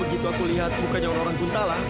begitu aku lihat mukanya orang orang buntalah